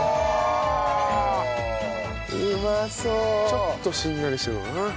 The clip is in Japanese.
ちょっとしんなりしてるのかな。